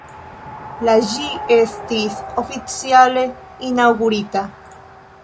La ĝi estis oficiale inaŭgurita.